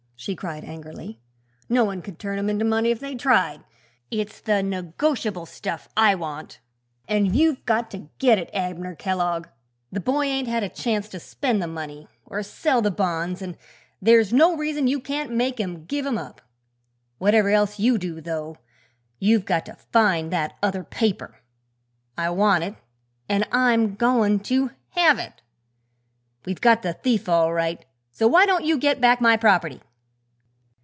she cried angrily; "no one could turn 'em into money if they tried; it's the negotiable stuff I want. An' you've got to get it, Abner Kellogg. The boy ain't had a chance to spend the money, or sell the bonds, an' there's no reason you can't make him give 'em up. Whatever else you do, though, you've got to find that other paper. I want it, an' I'm goin' to have it! We've got the thief, all right, so why don't you get back my property?"